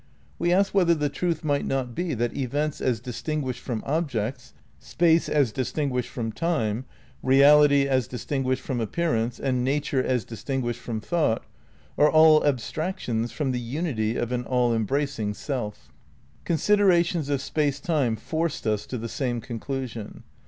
We asked whether the truth might not be that events as distinguished from objects, space as distinguished from time, reality as distin guished from appearance, and nature as distinguished from thought, are all abstractions from the unity of an all embracing Self. Considerations of Space Time forced us to the same conclusion.